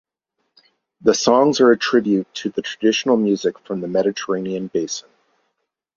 The songs are a tribute to the traditional music from the Mediterranean basin.